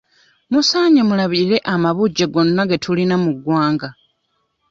Musaanye mulabirire amabujje gonna ge tulina mu ggwanga.